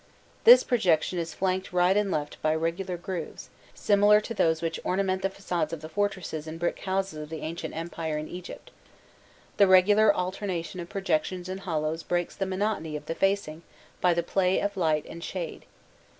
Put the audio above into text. This projection is flanked right and left by rectangular grooves, similar to those which ornament the facades of the fortresses and brick houses of the Ancient Empire in Egypt: the regular alternation of projections and hollows breaks the monotony of the facing by the play of light and shade.